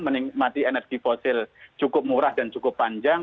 menikmati energi fosil cukup murah dan cukup panjang